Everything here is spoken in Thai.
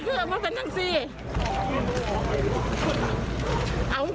เตี๋ยวก่อนเตี๋ยวก่อนเตี๋ยวก่อนเตี๋ยวก่อน